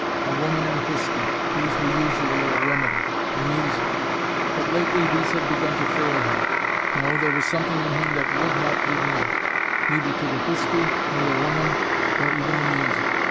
A woman and whiskey, these were usually a remedy and music. But lately these had begun to fail him. No, there was something in him that would not give in neither to the whiskey, nor the woman, nor even the music.